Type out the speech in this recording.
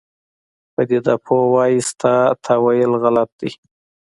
پدیده پوه وایي ستا تاویل غلط دی.